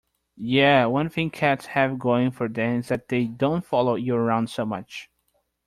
Yeah, one thing cats have going for them is that they don't follow you around so much.